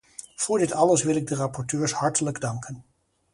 Voor dit alles wil ik de rapporteurs hartelijk danken.